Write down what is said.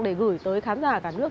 để gửi tới khán giả cả nước